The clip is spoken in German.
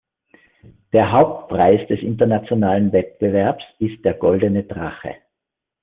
Der Hauptpreis des internationalen Wettbewerbs ist der "Goldene Drache".